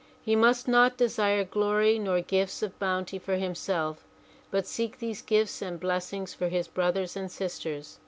He must not desire glory nor gifts of bounty for himself but seek these gifts and blessings for his brothers and sisters.